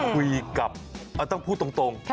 คุยกับต้องพูดตรง